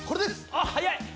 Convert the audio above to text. あっ早い！